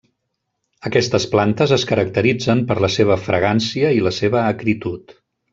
Aquestes plantes es caracteritzen per la seva fragància i la seva acritud.